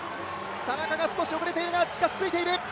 田中が少し後れているがついている。